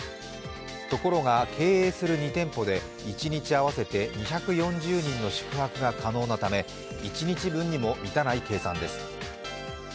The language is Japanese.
ところが経営する２店舗で一日合わせて２４０人の宿泊が可能なため一日分にも満たない計算です。